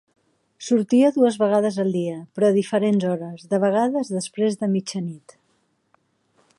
Sortia dues vegades al dia, però a diferents hores, de vegades després de mitjanit.